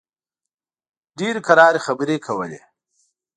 ډېرې کراري خبرې کولې.